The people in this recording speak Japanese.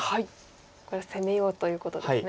これは攻めようということですね。